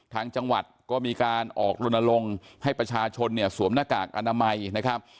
ทางจังหวัดก็มีการออกลนลงให้ประชาชนเนี่ยสวมหน้ากากอนามัยนะครับ